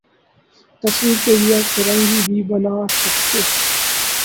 تصویر کو یک رنگی بھی بنا سکتے